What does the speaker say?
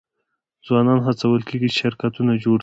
ځوانان هڅول کیږي چې شرکتونه جوړ کړي.